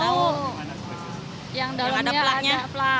tahu tidak asalnya dari negara mana